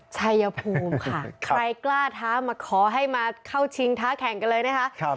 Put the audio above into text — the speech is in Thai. ชัยภูมิค่ะใครกล้าท้ามาขอให้มาเข้าชิงท้าแข่งกันเลยนะคะ